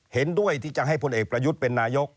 เห็นด้วยที่จะให้พลเอกประยุทธ์เป็นนายก